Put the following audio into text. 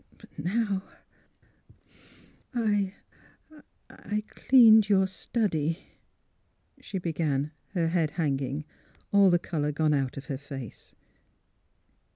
But now '' I — cleaned — your study," she began, her head hanging, all the colour gone out of her face.